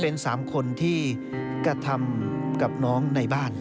เป็น๓คนที่กระทำกับน้องในบ้าน